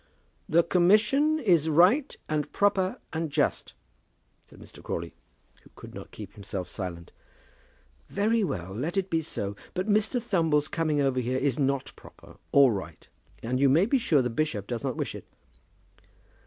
"The commission is right and proper and just," said Mr. Crawley, who could not keep himself silent. "Very well. Let it be so. But Mr. Thumble's coming over here is not proper or right; and you may be sure the bishop does not wish it."